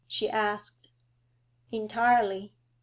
she asked. 'Entirely.